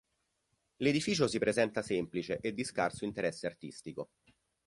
L'edificio si presenta semplice e di scarso interesse artistico.